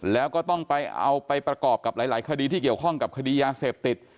แล้วก็ต้องไปเอาไปประกอบกับหลายคดีที่เกี่ยวข้องกับคดียาเสพติด